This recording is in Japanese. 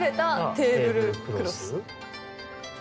テーブルクロス？